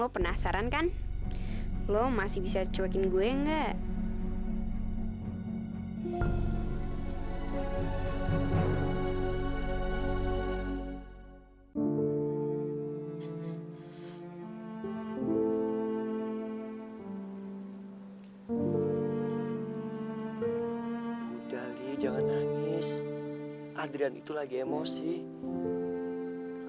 bekas pembantu di sini